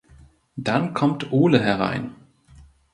Dann kommt Ole herein.